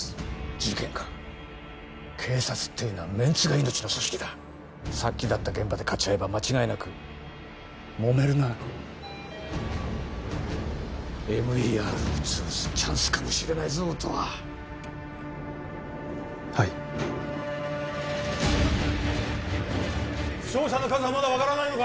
事件か警察っていうのはメンツが命の組織だ殺気立った現場でかち合えば間違いなくもめるなＭＥＲを潰すチャンスかもしれないぞ音羽はい負傷者の数はまだ分からないのか！